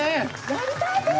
やりたいです。